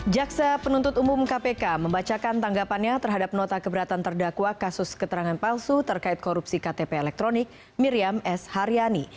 jaksa penuntut umum kpk membacakan tanggapannya terhadap nota keberatan terdakwa kasus keterangan palsu terkait korupsi ktp elektronik miriam s haryani